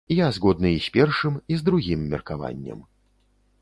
Я згодны і з першым, і з другім меркаваннем.